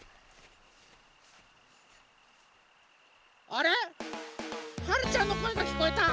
あれっ？はるちゃんのこえがきこえた。